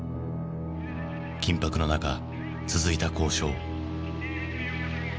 緊迫の中続いた交渉。